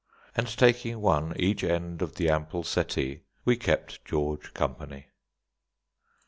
And taking one each end of the ample settee, we kept George company.